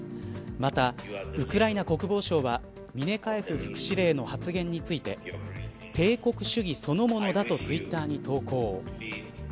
また、ウクライナ国防省はミネカエフ副司令の発言について帝国主義そのものだとツイッターに投稿。